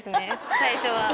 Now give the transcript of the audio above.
最初は。